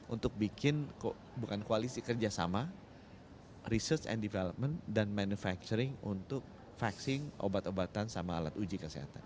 untuk bikin bukan koalisi kerjasama research and development dan manufacturing untuk flexing obat obatan sama alat uji kesehatan